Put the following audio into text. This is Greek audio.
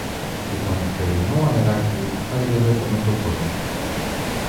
Και το νυχτερινό αεράκι χάιδευε το μέτωπο του